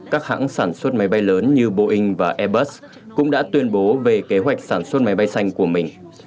các hãng sản xuất máy bay lớn như boeing và airbus cũng đã tuyên bố về kế hoạch sản xuất máy bay xanh của mình